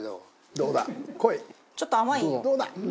「どうだ？